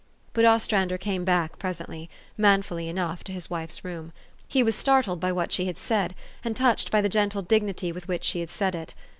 But Ostrander came back presently, manfully enough, to his wife's room. He was startled by what she had said, and touched by the gentle dig nity with which she had said it.